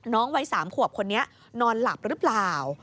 วัย๓ขวบคนนี้นอนหลับหรือเปล่า